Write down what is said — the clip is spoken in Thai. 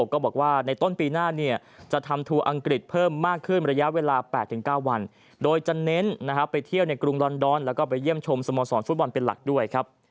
ก็บอกว่าในต้นปีหน้าเนี่ยจะทำทัวร์อังกฤษเพิ่มมากขึ้นระยะเวลา๘๙วันโดยจะเน้นไปเที่ยวในกรุงลอนดอนแล้วก็ไปเยี่ยมชมสโมสรฟุตบอลเป็นหลักด้วยครับ